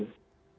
dulu memang ada